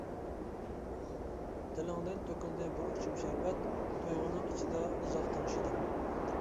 تىلىڭدىن تۆكۈلدى بىر ئوچۇم شەربەت، تۇيغۇنىڭ ئىچىدە ئۇزاق تىڭشىدىم.